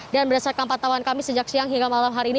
dan berdasarkan pantauan kami sejak siang hingga malam hari ini